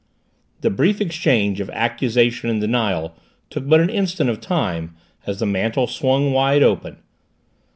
The brief exchange of accusation and denial took but an instant of time, as the mantel swung wide open.